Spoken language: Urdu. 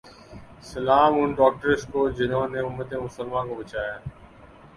سلام ان ڈاکٹرز کو جہنوں نے امت مسلماں کو بچایا